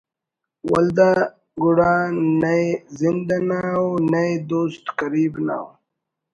ولدا گڑا نئے زند انا ءُ نئے دوست قریب نا ءُ